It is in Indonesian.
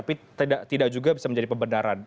tapi tidak juga bisa menjadi pembenaran